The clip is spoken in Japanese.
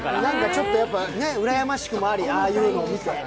ちょっとうらやましくもあり、ああいうのを見て。